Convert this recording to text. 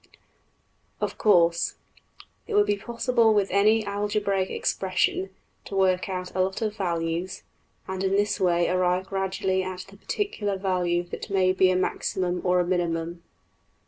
Of course it would be possible with any algebraic expression to work out a lot of values, and in this way arrive gradually at the particular value that may be a maximum or a minimum.